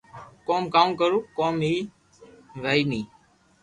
ڪوم ڪاو ڪرو ڪوم ئي وئي ني